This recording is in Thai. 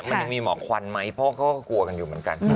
มันยังมีหมอกควันไหมเพราะเขาก็กลัวกันอยู่เหมือนกัน